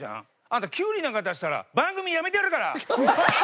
あんたキュウリなんか出したら番組やめてやるから！